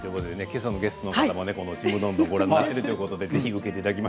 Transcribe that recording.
けさのゲストの方もこの「ちむどんどん」ご覧いただいているということです。